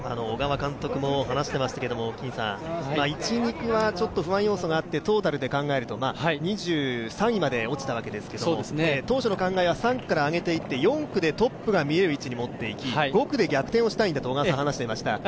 小川監督も話していましたけども、１、２区はちょっと不安要素があってトータルで考えると２３位まで落ちたわけですけれども、当初の考えは３区から上げていって４区でトップが見える位置に持っていき５区で逆転をしたいんだと小川さんは話していました。